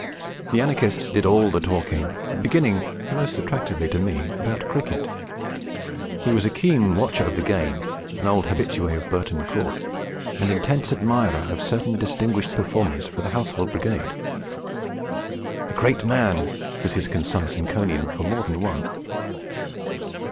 The anarchist did all the talking, beginning (most attractively to me) about cricket. He was a keen watcher of the game, an old habitué of Burton Court and intense admirer of certain distinguished performers for the Household Brigade. 'A great man!' was his concise encomium for more than one.